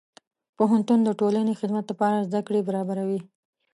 پوهنتون د ټولنې خدمت لپاره زدهکړې برابروي.